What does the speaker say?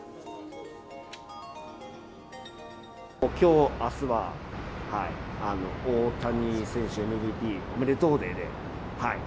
きょう、あすは大谷選手ＭＶＰおめでとうデーで。